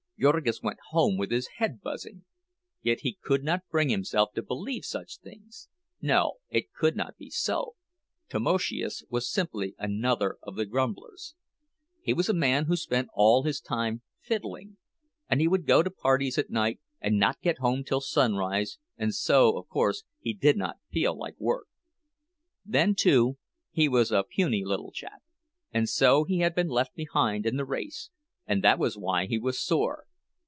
Jurgis went home with his head buzzing. Yet he could not bring himself to believe such things—no, it could not be so. Tamoszius was simply another of the grumblers. He was a man who spent all his time fiddling; and he would go to parties at night and not get home till sunrise, and so of course he did not feel like work. Then, too, he was a puny little chap; and so he had been left behind in the race, and that was why he was sore.